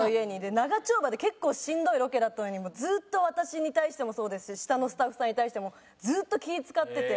長丁場で結構しんどいロケだったのにずっと私に対してもそうですし下のスタッフさんに対してもずっと気ぃ使ってて。